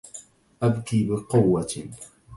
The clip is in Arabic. إبكي بقوة.